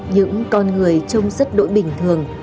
những con người trông rất đội bình thường